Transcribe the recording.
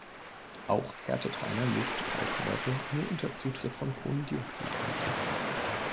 Auch härtet reiner Luft-Kalkmörtel nur unter Zutritt von Kohlendioxid aus.